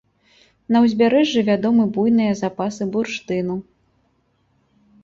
На ўзбярэжжы вядомы буйныя запасы бурштыну.